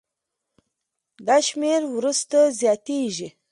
دا شمېر وروسته زیاتېږي.